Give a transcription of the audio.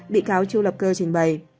bị cáo chu lập cơ trình bày